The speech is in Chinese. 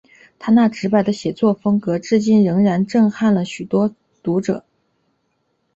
他那直白的写作风格至今仍然震撼了很多读者。